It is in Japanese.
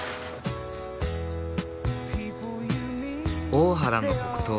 大原の北東。